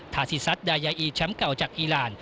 ทาซิซัตดายาอีแชมป์เก่าจากอีราน